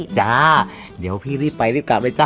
จ้าเดี๋ยวพี่รีบไปรีบกลับเลยจ้